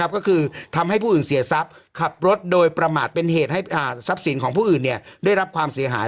ก็คือทำให้ผู้อื่นเสียทรัพย์ขับรถโดยประมาทเป็นเหตุให้ทรัพย์สินของผู้อื่นได้รับความเสียหาย